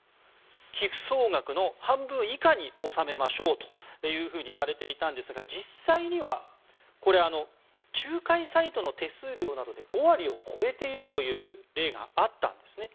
寄付総額の半分以下に収めましょうとされていたんですが実際には仲介サイトの手数料などで５割を超えているという例があったんですね。